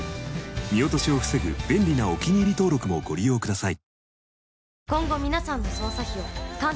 見落としを防ぐ便利なお気に入り登録もご利用ください。